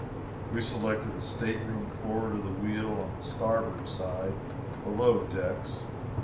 We selected a stateroom forward of the wheel, on the starboard side, "below decks."